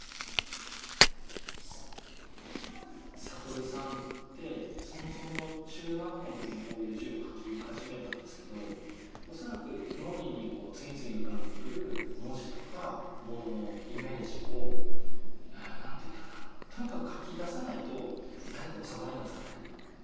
覚さんってそもそも中学校の時にこういう字を書き始めたんですけど恐らく脳裏にこう次々浮かんでくる文字とかもののイメージを何て言うんだろうなとにかく書き出さないと何か収まりがつかない。